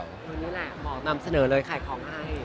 นี่แหละหมอนำเสนอเลยขายของให้